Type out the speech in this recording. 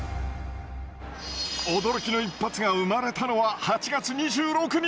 驚きの一発が生まれたのは８月２６日。